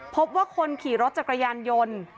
พบว่าคนขี่รถจักรยานยนต์